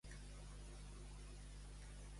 Tractar amb Déu.